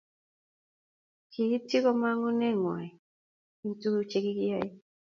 kiityi kamong'uneng'wany eng tukuk chekichenyei